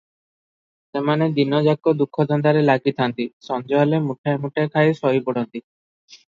ସେମାନେ ଦିନ ଯାକ ଦୁଃଖଧନ୍ଦାରେ ଲାଗିଥାନ୍ତ, ସଞ୍ଜ ହେଲେ ମୁଠାଏ ମୁଠାଏ ଖାଇ ଶୋଇପଡନ୍ତି ।